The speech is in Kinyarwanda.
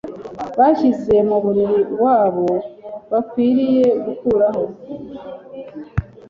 bashyize mu mubiri wabo. Bakwiriye gukuraho